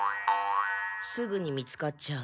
すぐに見つかっちゃう。